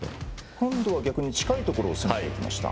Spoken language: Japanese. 今度は逆に近いところを攻めていきました。